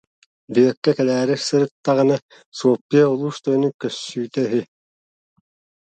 Бүөккэ кэлээри сырыттахпына: «Суоппуйа улуус тойонун көссүүтэ үһү»